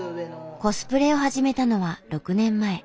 コスプレを始めたのは６年前。